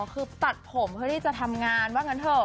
คือตัดผมเพื่อที่จะทำงานว่างั้นเถอะ